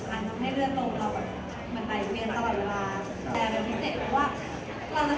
ทำให้เลือดโรคเราเหมือนใดเวียนตลอดเวลา